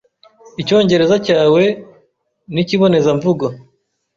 Icyongereza cyawe nikibonezamvugo,